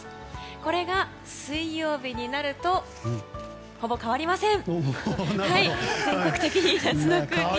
これが水曜日になるとほぼ変わりません。